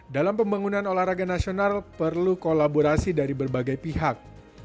dalam pembangunan olahraga nasional perlu kolaborasi dari berbagai pihak